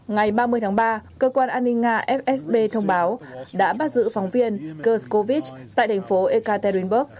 ngày ba mươi tháng ba cơ quan an ninh nga fsb thông báo đã bắt giữ phóng viên kurskovich tại thành phố ekaterinburg